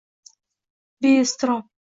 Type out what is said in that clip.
Beiztirob